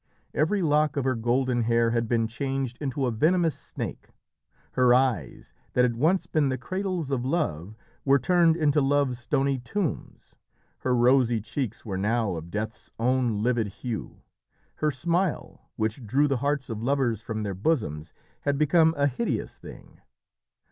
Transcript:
Every lock of her golden hair had been changed into a venomous snake. Her eyes, that had once been the cradles of love, were turned into love's stony tombs. Her rosy cheeks were now of Death's own livid hue. Her smile, which drew the hearts of lovers from their bosoms, had become a hideous thing.